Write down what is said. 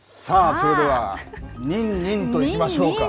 それでは、ニンニンといきましょうか。